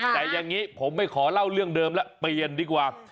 แต่อย่างนี้ผมไม่ขอเล่าเรื่องเดิมแล้วเปลี่ยนดีกว่า